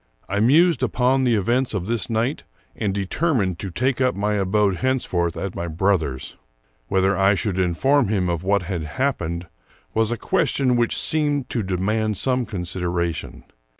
I mused upon the events of this night, and determined to take up my abode hence forth at my brother's. Whether I should inform him of what had happened was a question which seemed to de mand some consideration.